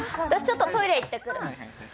私ちょっとトイレ行ってくる。